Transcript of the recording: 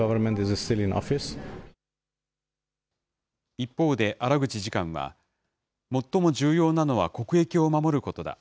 一方で、アラグチ次官は、最も重要なのは国益を守ることだ。